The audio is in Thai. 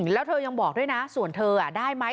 แล้วเธอยังบอกด้วยนะส่วนเธอได้ไหม